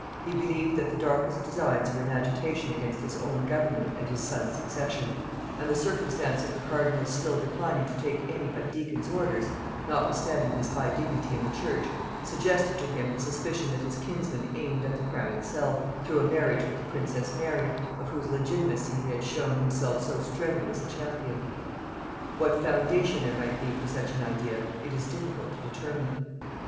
He believed that the darkest designs were in agitation against his own government and his son's succession; and the circumstance of the cardinal's still declining to take any but deacon's orders, notwithstanding his high dignity in the church, suggested to him the suspicion that his kinsman aimed at the crown itself, through a marriage with the princess Mary, of whose legitimacy he had shown himself so strenuous a champion. What foundation there might be for such an idea it is difficult to determine.